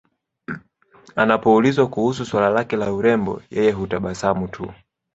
Anapoulizwa kuhusu swala la urembo yeye hutabasamu tu